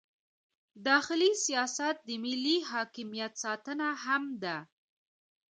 داخلي سیاست د ملي حاکمیت ساتنه هم ده.